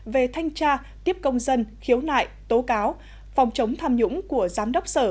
về thanh tra tiếp công dân khiếu nại tố cáo phòng chống tham nhũng của giám đốc sở